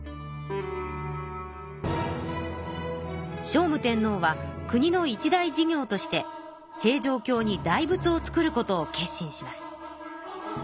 聖武天皇は国の一大事業として平城京に大仏を造ることを決心します。